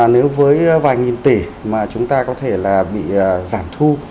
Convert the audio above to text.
nếu với vài nghìn tỷ mà chúng ta có thể là bị giảm thu